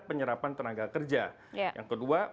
penyerapan tenaga kerja yang kedua